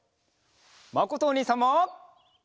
まことおにいさんも。